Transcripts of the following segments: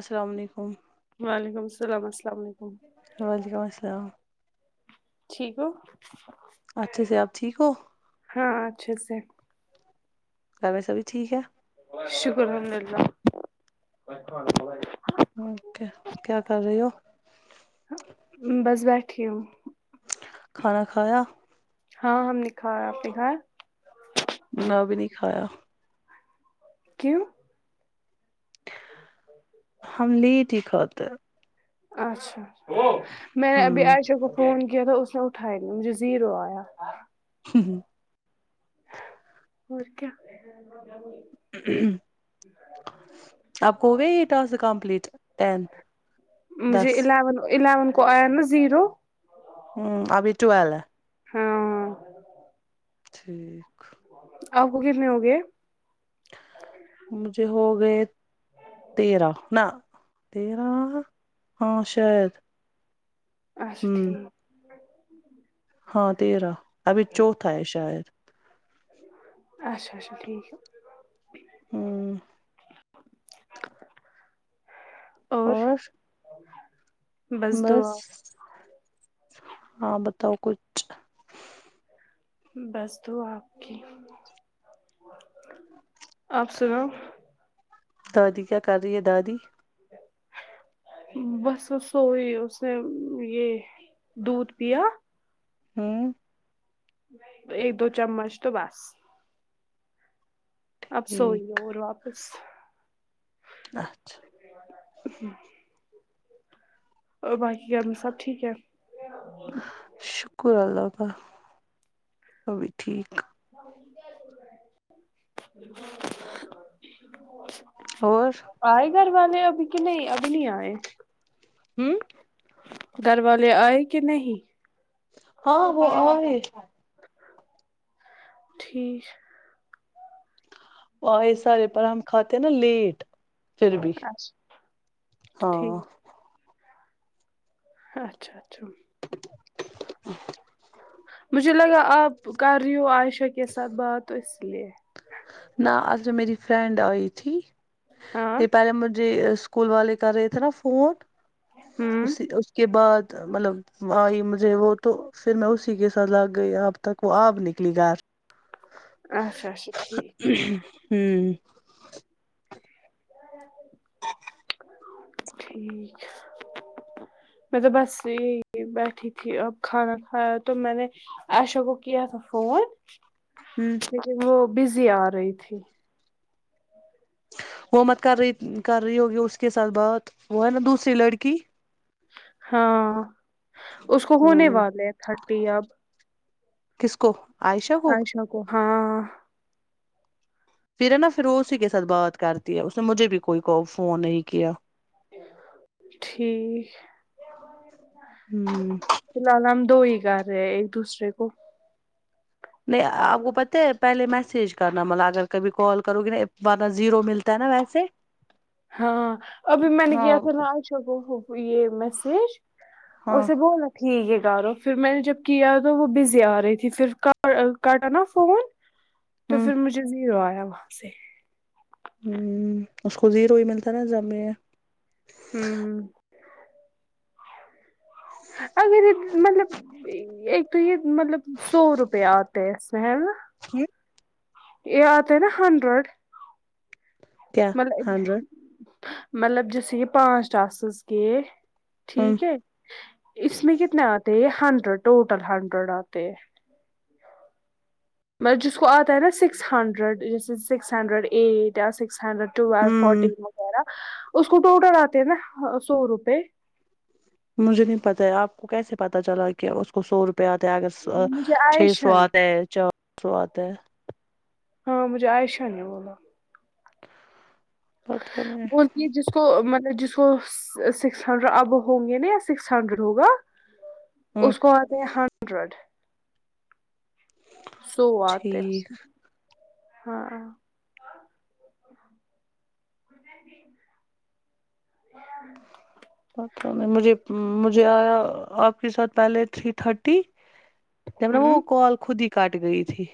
السلام علیکم وعلیکم السلام السلام علیکم وعلیکم السلام ٹھیک ہو اچھے سے آپ ٹھیک ہو ہاں اچھا سے گ ویسابھی ٹھیک ہے شکر الحمد اللہ اوک کیا کر رہی ہو بس بیٹھی ہوں کھانا کھایا ہاں ہم نےکھا آپ نے کہاں میں بھی نہیں کایا کیوں ہم لی ت ہی خاطر اچھاچھا میں ابھی ہیں آشا گ فون کیا تھا اس نے اٹھیا نہیں مجھے زیرو آیا ہوں ہوں اور کیا [inaudible] آپ کووٹ آس کمپلیٹ ٹین ج دس اون الیون م زیرو ہوں ابھی ٹویل ہے ہاں ٹھیک آ ہوگنی ہوگے مجھے ہو گئے تیرہ نہ تیرہ ہاں شاید اچھا ٹھیک ہمم ہاں تیرہ ابھی چوھا ہے شاید اچھا اچھا ٹھیک ہے ہوں اور بس ہاں بتاؤ کچھ بس تو آپ کی آپ سناو دادی کیا کر رہی ہے دادی بس سوئی اس نے یہ دودھ پیا ہوں ایک دو چمچ تو بس اب سوئیے اور واپس اچھا اور باقی گھر میں سب ٹھیک ہے شکر اللہ کا وہبھی ٹھیک [inaudible] اور آئے گھر والے ابھی کہ نہیں ابھی نہیں آئے ہوں در والالے آئے کہ نہیں ہاں ٹھیک و سارے پر ہم کھاتے ہیں نا لیٹ پھر بھی اچھا ہاں ٹھیک اچھا اچھا ہ [unintelligible] مجھے لگا آپ کر رہی ہو عائشہ کے ساتھ بات تو اس لیے نہ اص میں میری فرینڈ آئی تھی ہاں یہ پہلے مجھے اسکول والے کر رہے تھے نا فون ہوں اس اس کے بعد مطلب آئی مجھے وہ تو پھر میں اسی کے ساتھ لگ گئی اب تک وہ آب نکلی گار اچھا اچھا ٹھیک ہوں ہاں ٹھیک ہے میں تو بس یہی بیٹھی تھی اب کھانا کھایا تو میں نے اچا گو کی تھا فون ہوں لیکن وہ بزی آ رہی تھی وہ مت کر رہی کر رہی ہوگی اس کے ساتھ بات وہ ہے نا دوسری لڑکی ہاں اس کو ہونے ہوں والے ہیں تھرٹی اب کسک ائی شا کوو ہاں پھر ہے نا پھر ا اسی کے ساتھ بات کرتی ہے اس نے مجھے بھی کوئی فون نہیں کیا ٹھیک ہوں فی الحال ہم دو ہی کر رہے ایک دوسرے کو نہیں آپ کو پت پہلے میسیج کرنا مطلب اگر کبھی کال کرو گی نا ورنہ زیرو ملتا ہے نا ویسے [inaudible] ہاں ابھی میں نے ہاں کیا تھا نا آشہ کو یہ میسج ہاں اسے بوللا [unintelligible] ٹھیک ہے گا رہو پھر میں نے جب کیا تو وہ بزی آ رہی تھی پھر کاٹا نا فون [inaudible] تو پھر مجھے زیرو آیا وہاں سے ہوں اس کو زیرو ہی ملتا نا زب میں ہوں اگر مطلب تو یہ مطلب سو روپ آتے اس اس میںا [unintelligible] یہ آتا نا ہنڈرڈ کیا مطلب ہنڈریڈ مطلب جیسے یہ پانچ ٹاسز گ [unintelligible] ہوں ٹھیک ہے اس میں کتنے آتے ہیں ہنڈریڈ ٹوٹل ہنڈریڈ آتے ہیں مطلب جس کو آتا ہے نا سکس ہنڈریڈ جیسے سکس ہنڈریڈ ایٹ یا سکس ہنڈریڈ ٹویل ہوں فورٹین وغیرہ اس کو ٹوٹل آتے ہے نا سو روپئے مجھے نہیں پتاہ آپ کو کیسے پتتا چلا کیا اس کو سو روپے پیا اگر مجھے چھ سو عائشہ نے آتا ہے چار سو آتا ہے ہاں مجھے عائشہ نے بولا پت بن [unintelligible] یہ جس کو مطلب جس کو سکس ہنڈریڈ اب ہوں گے نا یا سکس ہنڈریڈ ہوگا [inaudible] اس کو آتے ہیں ہنڈریڈ سووات ہے ٹھیک ہاں [unintelligible] ہ [unintelligible] پتا نہیں مجھے مجھے آیا آپ کے ساتھ پہلے تھری تھرٹی جب ن وہ ہوں کال خود ہی کاٹ گئی تھی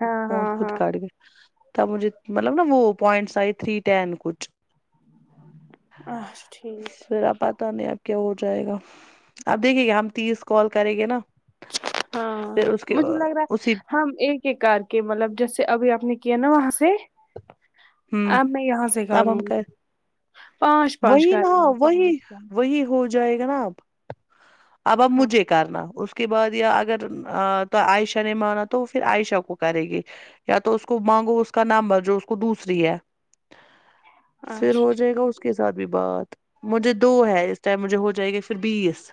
ہاں فون ہاں خود ہاں کاٹ گیا [unintelligible] تب مجھے مطلب نا وہ پوائنٹس آئی تھری ٹین کچھ اچ ٹھیک [unintelligible] ا پتا نہیں اب کیا ہو جائے گا آپ دیکھیے گا ہم تیس کال کریں گے نا ہاں پھر اس کے مجھے لگ رہا اسی ہے ہم ایک کے کار کے مطلب جیسے ابھی آپ نے کیا نا وہاں سے ہوں اب میں یہاں سے آب ہم کروں گی کر پانچ [unintelligible] پانچ وہی نہ کریں گے وہی پانچ پانچ وہی ہو ج [unintelligible] جائے گا نا آپ اب اب ہاں مجھے کرنا اس کو اس کے بعد یا اگر عائشہ نے مانا تو وہ پھر عائشہ کو کرے گی یا تو اس کو مانگو اس کا نمبر جو اس کو دوسری ہے پھر اچھا ہو جائے گا اس کے ساتھ بھی بات مجھے دو ہے اس ٹائم مجھے ہو جائے گا پھر بیس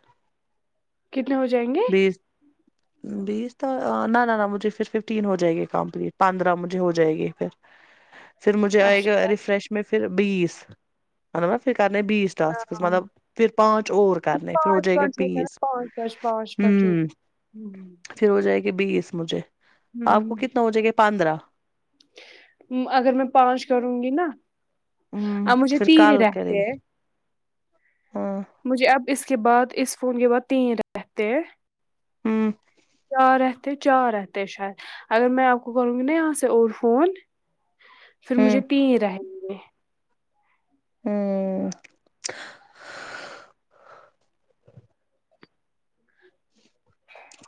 ٹھیک کتنے ہو جائیں گے بیس بیس تو نہ نہ نہ مجھے پھر ففٹین ہو جائے گی کمپلیٹ پندرہ مجھے ہو جائے گی پھر پھر مجھے آئے گا اچھا ریفریش میں پھر بیس ہ نا نا پھر کرنے بیس ٹاسکس مطلب پانچ پھر پانچ اور کرنے پھر ج پانچ گ پانچ پ ہوتا بیس ہ [unintelligible] ہوں [unintelligible] پھر ہو جائے گی بیس مجھے آپ کو ہوں کتنا ہو جائے گا پندرہ اگر میں پانچ کروں گی نا ا ہوں مجھے پھر تین ہی کال کرے رہتے ہیں گی ہاں مجھے اب اس کے بعد اس فون کے بعد تین رہتے ہیں ہاں چار رہتے چار رہتے شید اگر میں آپ کو کروں گی نا یہاں سے اور فون پھر ہوں مجھے تین رہ ہوں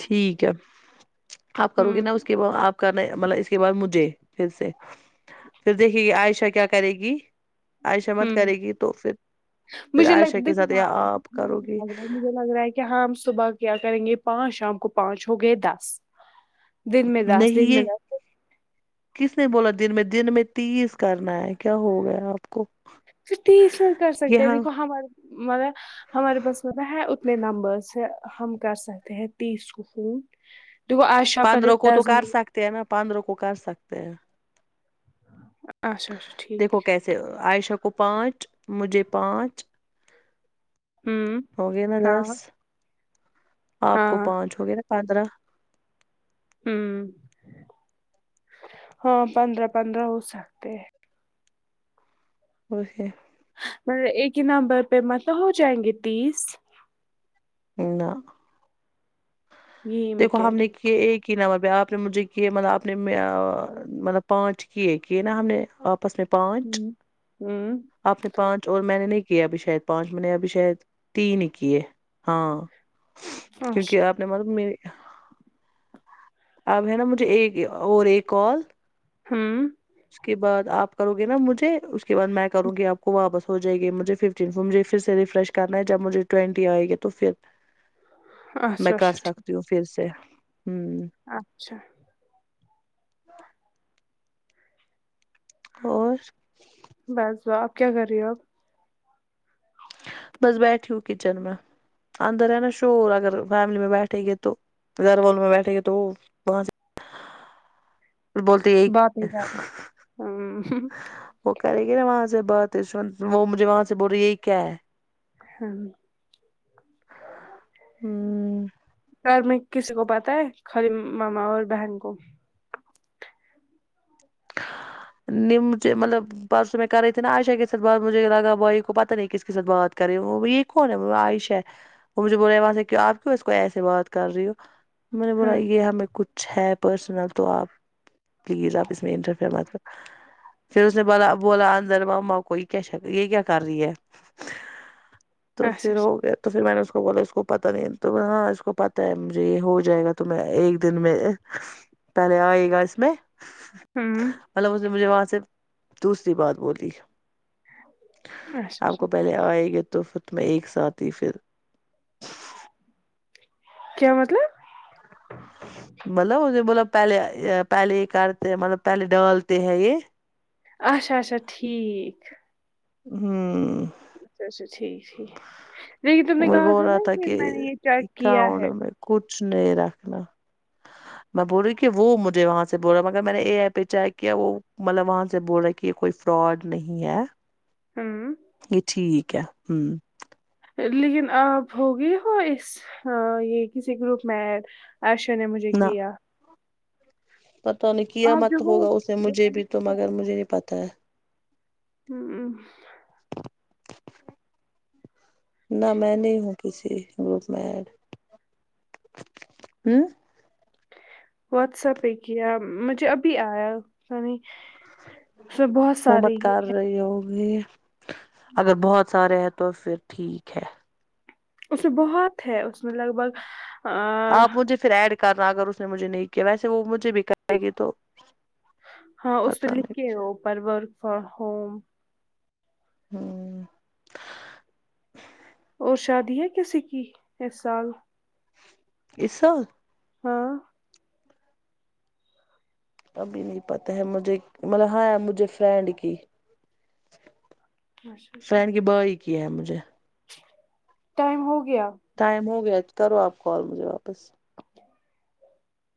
ٹھیک ہے آپ کرو گے ہوں نا اس کے آپ کا مطلب اس کے بعد مجھے پھر سے پھر دیکھے گی عائشہ کیا کرے گی عائشہ مت ہوں کرے گی تو پھر پھر مجھے عائشہ لگ کے دیکھو ساتھ ہاں آپ کرو گی لگ رہا ہے مجھے لگ رہا ہے کہ ہم صبح کیا کریں گے پانچ شام کو پانچ ہو گئے دس دن میں دس نہیں دن یہ میں دس کس نے بولا دن میں دن میں تیز کرنا ہے کیا ہو گیا آپ کو پھر تی اس میں کر سکتے ہیں یہاں دیکھو ہمار ملب ہمارے پاس م ہے اتنے نمبرس سے ہم کر سکتے ہیں تیس کو فون تو وہ آش [unintelligible] پندروں کو تو کر سکتے ہیں نا پندروں کو کر سکتے ہیں اچھا اچھا ٹھیک دیکھو کیسے عائشہ کو پانچ مجھے پانچ ہوں ہوگیا نا ہاں دس آپ کو ہاں پانچ ہو گیا نا پندرہ ہوں ہاں پندرہ پندرہ ہو سکتے اسے مطب ایک ہی نمبر پہ م توب ہو جائیں گے تیس نہ یہی میں دیکھو کہہ ہم نے رہی کہ ایک کی ن آپ نے مجھے کیے مطلب آپ نے مطلب پانچ کیے کیے نا ہم نے آپ پس میں پانچ ہوں ہوں آپ نے پانچ اور میں نے نہیں کیے ابھی شاید پانچ میں نے ابھی شاید تین ہی کیے ہاں ہوں کیونکہ اچھا آپ نے مطلب میرری اب ہے نا مجھے ایک اور ایک کال ھمم اس کے بعد آپ کرو گے نا مجھے اس کے بعد میں کروں گی آپ کو واپس ہو جائے گی مجھے فف مجھے پھر سے ریفریش کرنا ہے جب مجھے ٹوینٹی آئے گی تو پھر میں اچھا کر اچھا ٹھیک سکتی ہوں پھر سے ہوں اچھا اور بس ب آپ کیا کر رہی ہو آپ بس بیٹھی ہوں کچن میں اندر ہے نا شور اگر فیملی میں بیٹھے گے تو گھر والوں میں بیٹھے گے تو وہ بولتے یہ بات نہیں کر رہی۔ وہ کرے گی نا وہاں سے بات وہ مجھے وہاں سے بول رہی ہے یہی کیا ہے ہاں ہوں گھر میں کسی کو پتاہ ہے خالی ماما اور بہن کو نچے مطلب پرسوں میں کر رہی تھی ن عاشا کے ساتھ بد مجھے لگا بھائی کو پتہ نہیں ا کس کے ساتھ بات کریں وہ یہ کون ہے آائش ہے وہ مجھے بول رہےاں سے کی آپ کیوں اس کو ایسے بات کر رہی ہو میں نے بولا ہاں یہ ہمیں کچھ ہے پرسنل تو آپ پلیز اب اس میں انٹرفر مطلب پھر اس نے بوال بولا اندر مما کوئی کیا شک یہ کیا کر رہی ہے تو اچھا پھر ہو اچھا گیا تو پھر میں نے اس کو بولا اس کو پتہ نہیں ہاں اس کو پتہ ہے مجھے یہ ہو جائے گا ت میں ایک دن میں پہلے آئیے گا اس میں ہوں مطلب اس نے مجھے وہاں سے دوسری بات بولی اچھا آپ اچھا کو پہلے آئے گے تو میں ایک ساتھ ہی پھر کیا مطلب مطلب اس مطلب پہلے پہلے یہ کرتے مطلب پہلے ڈالتے ہیں یہ اچھا اچھا ٹھیک ہوں اچھا- اچھا ٹھیک ٹھیک لیکن تم نے وہ کہا بول تھا رہا نا کہ میں نے یہ چیک کیا اکاؤنٹ ہے- میں کچھ نہیں رکھنا میں بول رہیوں کہ وہ مجھے وہاں سے بول رہا ہ مگر میں نے اے ای پہ چیک کیا وہ مطلب وہاں سے بول رہا کہ یہ کوئی فراڈ نہیں ہے ہوں یہ ٹھیک ہے ہ لیکن آپ ہوگی ہو اس یہ کسی گروپ میں- عشو نے مجھے کیا- پتہ نہیں کیا آپ جو مت ہو ہوگا اسے مجھے بھی تو مگر مجھے نہیں پتا ہے- ہوں ہ نہ میں نہیں ہوں کسی گروپ میں ایڈ- ہمم واٹس ایپ پہ کیا مجھے ابھی آیا س نہیں- اس میں بہت وہ سارے مت ہی کر رہی ہوگی اگر بہت سارے ہے تو پھر ٹھیک ہے- اس میں بہت ہے اس میں لگ بھگ- آ، آپ مجھے پھر ایڈ کرنا اگر اس نے مجھے نہیں کیا ویسے وہ مجھے بھی کرے گی تو- ہاں اس پہ پتہ لکھ نہیں کے او پر ورک فرام ہوم- ہاں اور شادی ہے کسی کی اس سال- اسا ہاں- ابھی نہیں پتا ہے مجھے مطلب ہاں مجھے فرینڈ کی- اچھا اچھا فین کی بائی کی ہے مجھے- ٹائم ہو گیا ٹائم ہو گیا کرو آپ کال مجھے واپس-